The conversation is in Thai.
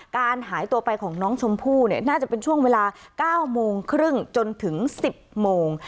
การหายตัวไปของน้องชมพู่เนี่ยน่าจะเป็นช่วงเวลา๙โมงครึ่งจนถึง๑๐โมง